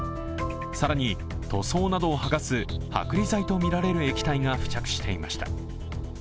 更に、塗装などを剥がす剥離剤とみられる液体が付着していました。